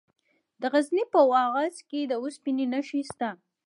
د غزني په واغظ کې د اوسپنې نښې شته.